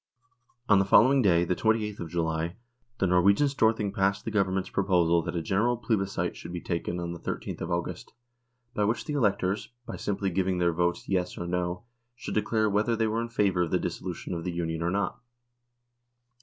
On the following day, the 28th of July, the Norwegian Storthing passed the Government's pro posal that a general plebiscite should be taken on the 142 NORWAY AND THE UNION WITH SWEDEN 1 3th of August, by which the electors, by simply giving their votes " yes " or " no," should declare whether they were in favour of the dissolution of the U nion or not.